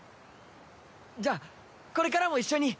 じゃあこれからも一緒に！